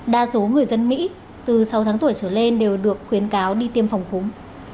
đa số người dân mỹ từ sáu tháng tuổi trở lên đều được khuyến cáo đi tiêm phòng cúm